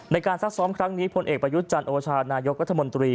ในการซักซ้อมครั้งนี้ผลเอกประยุจจันโอชานายกวัฒนมนตรี